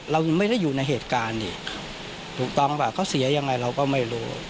เราไม่ได้อยู่ในเหตุการณ์ถูกต้องหรือเปล่าเขาเสียอย่างไรเราก็ไม่รู้